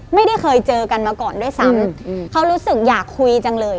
ไม่ได้เคยเจอกันมาก่อนด้วยซ้ำเขารู้สึกอยากคุยจังเลย